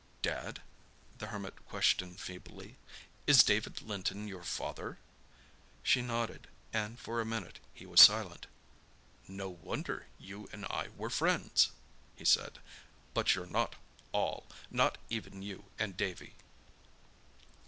"Dad?" the Hermit questioned feebly. "Is David Linton your father?" She nodded, and for a minute he was silent. "No wonder you and I were friends!" he said. "But you're not all—not even you and Davy."